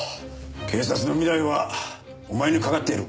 警察の未来はお前にかかっている。